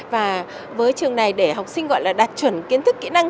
và với trường này để học sinh gọi là đạt chuẩn kiến thức kỹ năng